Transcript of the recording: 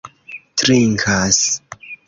trinkas